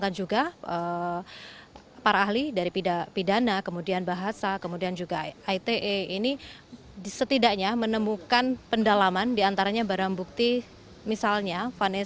ahli bahasa ahli dari kementerian